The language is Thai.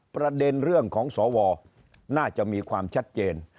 ประเด็นเรื่องของสวน่าจะมีความชัดเจน